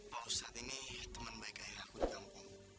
pak ustadz ini teman baiknya yang aku ditampung